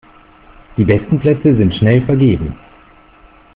Die besten Plätze sind schnell vergeben.